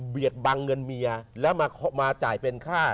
บังเงินเมียแล้วมาจ่ายเป็นค่า